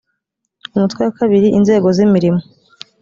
umutwe wakabiri inzego z imirimo